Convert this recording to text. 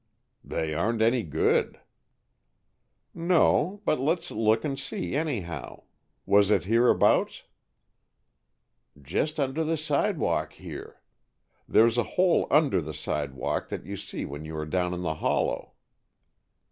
"They aren't any good." "No, but let's look and see, anyhow. Was it hereabouts?" "Just under the sidewalk here. There's a hole under the sidewalk that you see when you are down in the hollow."